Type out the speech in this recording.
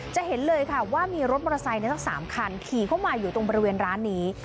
จะเห็นเลยค่ะว่ามีรถมอเตอร์ไซค์ทั้ง๓คันขี่เข้ามาอยู่ตรงบริเวณร้านนี้